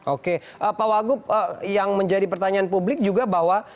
oke pak wagub yang menjadi pertanyaan publik juga bahwa